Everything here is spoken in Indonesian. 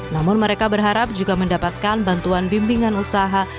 namun mereka berharap juga mendapatkan bantuan bimbingan usaha